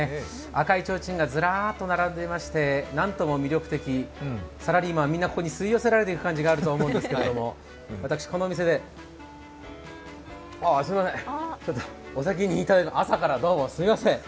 赤いちょうちんがずらっと並んでいまして、何とも魅力的、サラリーマンはみんなここに吸い寄せられていく感じがするんですけれども、私、このお店でああ、すみません、お酒を、朝からどうもすみません。